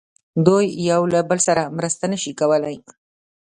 دوی یو له بل سره مرسته نه شوه کولای.